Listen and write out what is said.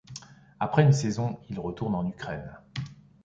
Après une saison, il retourne en Ukraine.